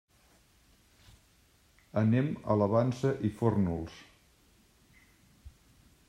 Anem a la Vansa i Fórnols.